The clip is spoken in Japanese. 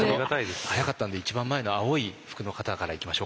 早かったんで一番前の青い服の方からいきましょうか。